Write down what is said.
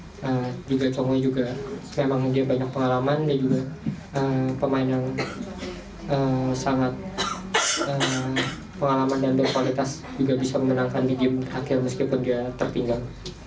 juga chongi juga memang dia banyak pengalaman dan juga pemain yang sangat pengalaman dan berkualitas juga bisa memenangkan di game akhir meskipun dia tertinggal